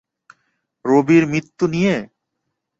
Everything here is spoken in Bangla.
রবির মৃত্যু নিয়ে?